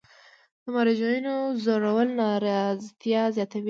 د مراجعینو ځورول نارضایت زیاتوي.